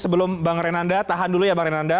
sebelum bang renanda tahan dulu ya bang renanda